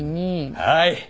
はい。